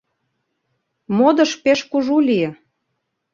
Модыш пеш кужу лие.